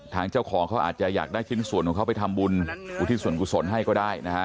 ทางเจ้าของเขาอาจจะอยากได้ชิ้นส่วนของเขาไปทำบุญอุทิศส่วนกุศลให้ก็ได้นะฮะ